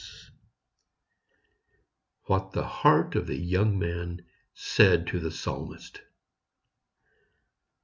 ■WHAT THE HEART OF THE YOUNG MAN SAID TO THE PSALMIST.